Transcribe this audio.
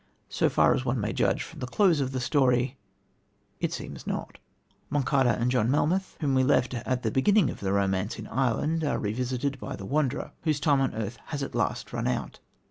So far as one may judge from the close of the story, it seems not. Monçada and John Melmoth, whom we left, at the beginning of the romance, in Ireland, are revisited by the Wanderer, whose time on earth has at last run out.